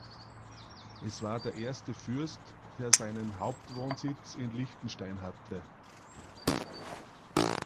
Er war der erste Fürst, der seinen Hauptwohnsitz in Liechtenstein hatte.